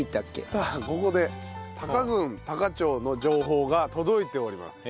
さあここで多可郡多可町の情報が届いております。